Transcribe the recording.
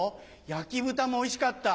焼き豚もおいしかった。